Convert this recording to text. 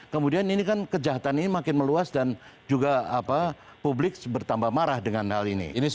kemudian ini kan kejahatan ini makin meluas dan juga publik bertambah marah dengan hal ini